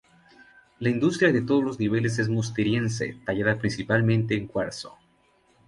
La industria de todos los niveles es musteriense, tallada principalmente en cuarzo.